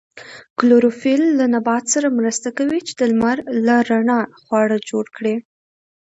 کلوروفیل له نبات سره مرسته کوي چې د لمر له رڼا خواړه جوړ کړي